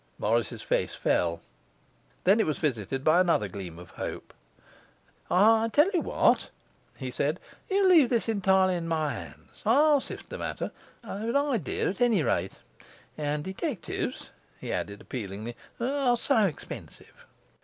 Morris's face fell; then it was visited by another gleam of hope. 'I'll tell you what,' he said, 'you leave this entirely in my hands. I'll sift the matter. I've an idea, at any rate; and detectives,' he added appealingly, 'are so expensive.